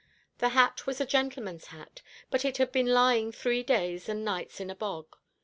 The hat was a gentleman's hat, but it had been lying three days and nights in a bog.